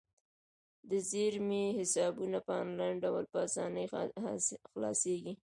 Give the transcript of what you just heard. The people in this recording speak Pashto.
د زیرمې حسابونه په انلاین ډول په اسانۍ خلاصیږي.